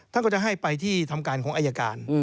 ท่านก็จะให้ไปที่ทำการของอายการ